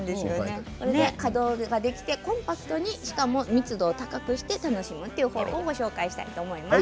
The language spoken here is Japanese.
可動できてコンパクトにしかも密度を高くして楽しめる方法をご紹介したいと思います。